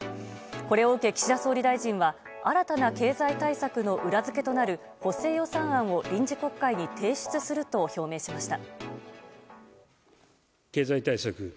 これを受け岸田総理大臣は新たな経済対策の裏付けとなる補正予算案を臨時国会に提出すると表明しました。